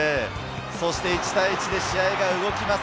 １対１で試合が動きます。